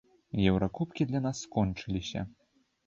Еўракубкі для нас скончыліся.